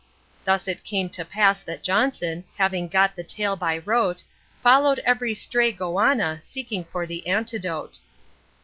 Thus it came to pass that Johnson, having got the tale by rote, Followed every stray goanna, seeking for the antidote.